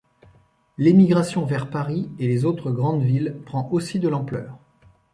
L'émigration vers Paris et les autres grandes villes prend aussi de l'ampleur.